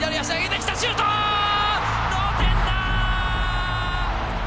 同点だ。